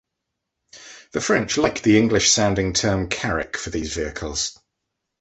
The French liked the English-sounding term "carrick" for these vehicles.